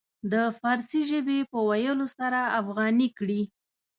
د فارسي ژبې په ويلو سره افغاني کړي.